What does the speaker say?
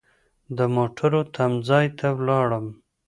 د موټرو تم ځای ته ولاړم.